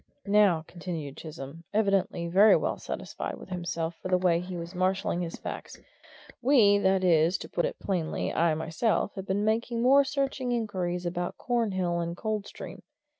"Now," continued Chisholm, evidently very well satisfied with himself for the way he was marshalling his facts, "we that is, to put it plainly, I myself have been making more searching inquiries about Cornhill and Coldstream.